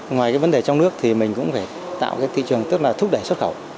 ngoài cái vấn đề trong nước thì mình cũng phải tạo cái thị trường tức là thúc đẩy xuất khẩu